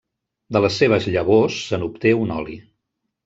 De les seves llavors se n'obté un oli.